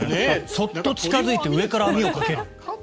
そっと近付いて上から網をかける。